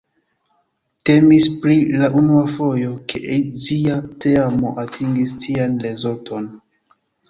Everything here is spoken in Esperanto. Temis pri la unua fojo ke azia teamo atingis tian rezulton.